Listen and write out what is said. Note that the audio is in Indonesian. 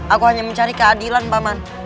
aku hanya mencari keadilan paman